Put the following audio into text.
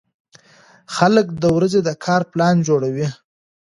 خلک د ورځې د کار پلان جوړوي